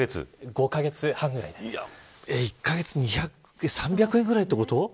１度で３００円ぐらいってこと。